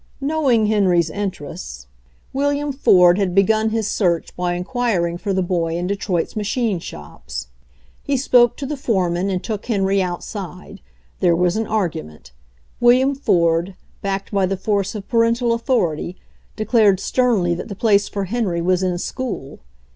Know ing Henry's interests, Wiiliam Ford had begun 22 HENRY FORD'S OWN STORY his search by inquiring for the boy in Detroit's machine shops. He spoke to the foreman and took Henry out side. There was an argument. William Ford, backed by the force of parental authority, de clared sternly that the place for Henry was in school.